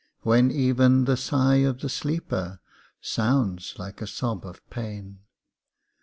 When even the sigh of the sleeper Sounds like a sob of pain.